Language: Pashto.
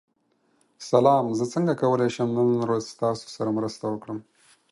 سلام، زه څنګه کولی شم نن ورځ ستاسو سره مرسته وکړم؟